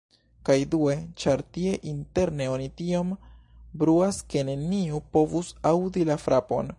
Kaj due, ĉar tie interne oni tiom bruas ke neniu povus aŭdi la frapon.